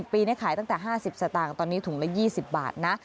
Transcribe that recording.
ปีนี้ขายตั้งแต่๕๐สตางค์ตอนนี้ถุงละ๒๐บาทนะ